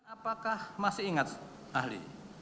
apakah masih ingat ahli